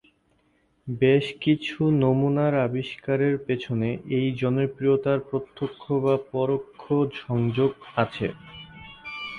বেশ কিছু নমুনার আবিষ্কারের পিছনে এই জনপ্রিয়তার প্রত্যক্ষ বা পরোক্ষ সংযোগ আছে।